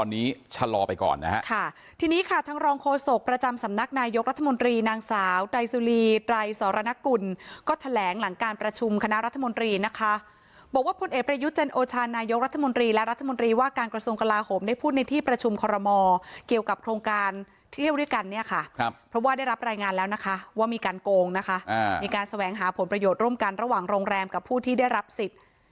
นกุลก็แถลงหลังการประชุมคณะรัฐมนตรีนะคะบอกว่าพลเอกประยุทธ์เจนโอชาณายกรัฐมนตรีและรัฐมนตรีว่าการกระทรวงกลาโหมได้พูดในที่ประชุมคอรมอเกี่ยวกับโครงการเที่ยวด้วยกันเนี่ยค่ะเพราะว่าได้รับรายงานแล้วนะคะว่ามีการโกงนะคะมีการแสวงหาผลประโยชน์ร่วมกันระหว่างโรงแรมกับผู้ที่ได